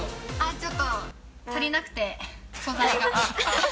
ちょっと足りなくて、素材が。